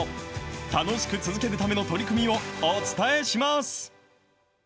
楽しく続けるための取り組みをお伝えします。